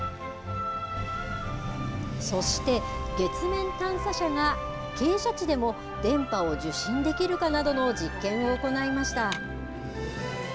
そして月面探査車が傾斜地でも電波を受信できるかなどの実験を行いました。